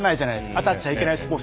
当たっちゃいけないスポーツ。